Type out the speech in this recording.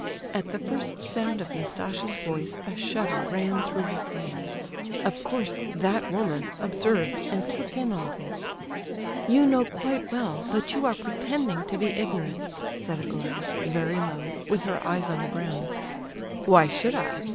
At the first sound of Nastasia's voice a shudder ran through her frame. Of course "that woman" observed and took in all this. "You know quite well, but you are pretending to be ignorant," said Aglaya, very low, with her eyes on the ground. "Why should I?"